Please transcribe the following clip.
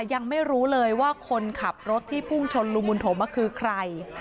ยังไม่รู้เลยว่าคนขับรถที่พุ่งชนลุงบุญถมคือใคร